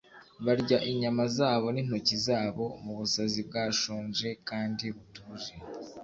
Barya inyama zabo nintoki zabo mubusazi bwashonje kandi butuje